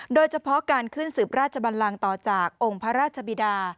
โดยเฉพาะการขึ้นสืบราชบันลังต่อจากองค์พระราชบิดา